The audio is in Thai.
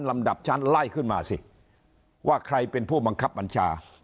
ลำดับชั้นไล่ขึ้นมาสิว่าใครเป็นผู้บังคับบัญชา